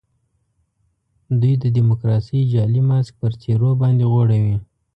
دوی د ډیموکراسۍ جعلي ماسک پر څېرو باندي غوړوي.